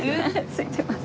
すいてます。